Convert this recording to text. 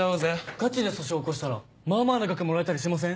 ガチで訴訟起こしたらまあまあな額もらえたりしません？